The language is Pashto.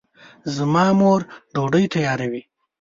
زما مور ډوډۍ تیاروي